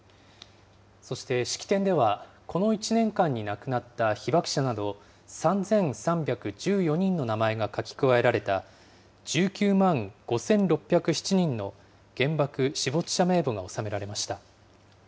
そして式典では、この１年間に亡くなった被爆者など３３１４人の名前が書き加えられた、１９万５６０７人の原爆死没者名簿が納められました。